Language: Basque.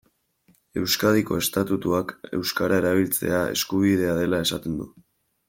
Euskadiko estatutuak euskara erabiltzea eskubidea dela esaten du.